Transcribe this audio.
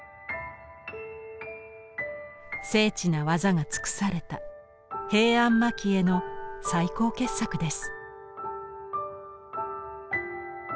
精緻な技が尽くされた平安蒔絵の最高傑作です。